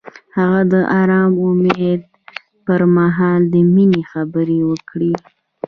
هغه د آرام امید پر مهال د مینې خبرې وکړې.